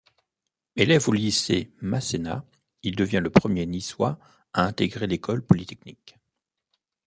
Élève au lycée Masséna, il devient le premier Niçois à intégrer l'École polytechnique.